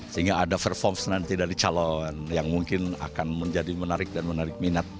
sehingga ada perform nanti dari calon yang mungkin akan menjadi menarik dan menarik minat